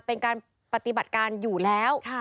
เป็นการปฏิบัติการอยู่แล้ว